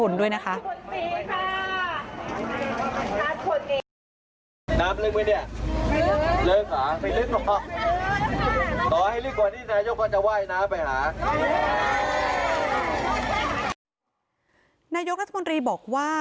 นายกรัฐมนตรีบอกว่า